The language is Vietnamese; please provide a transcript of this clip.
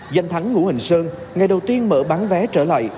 dành thắng ngũ hành sơn ngày đầu tiên mở bán vé trở lại